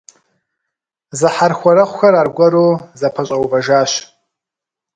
Зэхьэрхуэрэгъухэр аргуэру зэпэщӀэувэжащ.